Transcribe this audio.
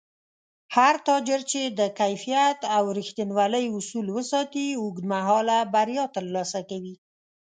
هر تاجر چې د کیفیت او رښتینولۍ اصول وساتي، اوږدمهاله بریا ترلاسه کوي